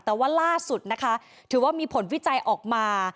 แต่ว่าล่าสุดนะคะถือว่ามีผลวิจัยออกมา